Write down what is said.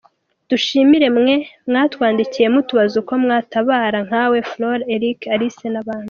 Dushimire mwe mwatwandikiye mutubaza uko mwatabara, nkawe Flora, Eric, Alice n’abandi.